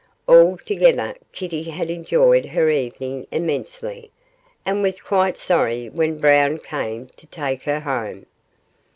Altogether Kitty had enjoyed her evening immensely, and was quite sorry when Brown came to take her home.